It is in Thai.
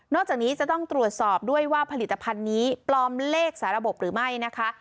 จากนี้จะต้องตรวจสอบด้วยว่าผลิตภัณฑ์นี้ปลอมเลขสาระบบหรือไม่นะคะ